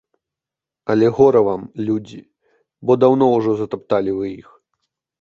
Але гора вам, людзі, бо даўно ўжо затапталі вы іх.